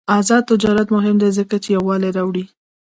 آزاد تجارت مهم دی ځکه چې یووالي راوړي.